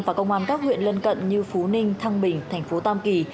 và công an các huyện lân cận như phú ninh thăng bình thành phố tam kỳ